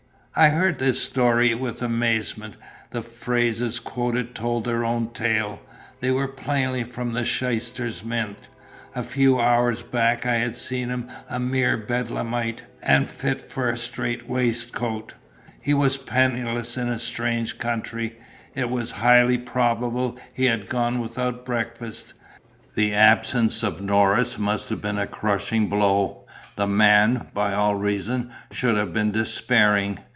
I heard this story with amazement. The phrases quoted told their own tale; they were plainly from the shyster's mint. A few hours back I had seen him a mere bedlamite and fit for a strait waistcoat; he was penniless in a strange country; it was highly probable he had gone without breakfast; the absence of Norris must have been a crushing blow; the man (by all reason) should have been despairing.